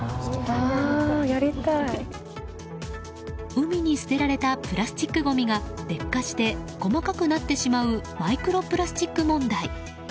海に捨てられたプラスチックごみが劣化して細かくなってしまうマイクロプラスチック問題。